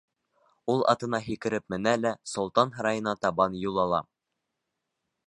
Ул атына һикереп менә лә солтан һарайына табан юл ала.